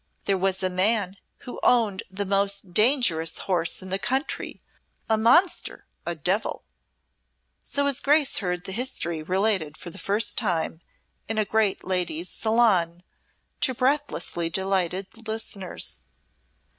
"There was a man who owned the most dangerous horse in the country a monster, a devil." So his Grace heard the history related for the first time in a great lady's salon to breathlessly delighted listeners.